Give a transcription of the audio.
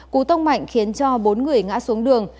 cú tông mạnh khiến cho bốn người ngã xuống đường